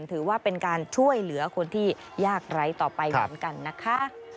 ถือว่าเป็นการช่วยเหลือคนที่ยากไร้ต่อไปเหมือนกันนะคะ